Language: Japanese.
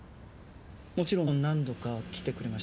もちろん何度か来てくれましたけど。